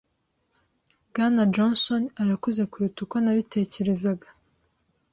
Bwana Johnson arakuze kuruta uko nabitekerezaga.